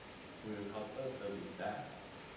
หรือเคาน์เตอร์เซอร์วิสได้